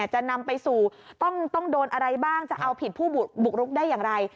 จะนำไปสู่ต้องโดนอะไรบ้างจะเอาผิดผู้บุกรุกได้อย่างไร